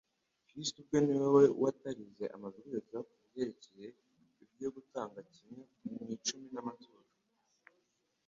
Kristo ubwe ni we watarize amabwiriza ku byerekcye ibyo gutanga kimwe mu icumi n'amaturo.